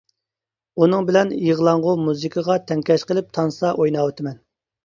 ئۇنىڭ بىلەن يىغلاڭغۇ مۇزىكىغا تەڭكەش قىلىپ تانسا ئويناۋاتىمەن.